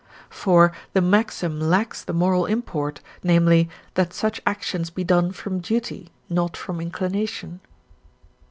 For the maxim lacks the moral import, namely, that such actions be done from duty, not from inclination.